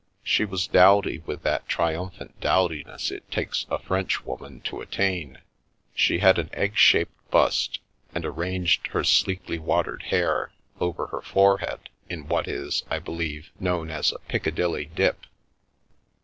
She was dowdy with that triumphant dowdiness it takes a French woman to attain, she had an egg shaped bust, and ar ranged her sleekly watered hair over her forehead in what is, I believe, known as a " Piccadilly dip."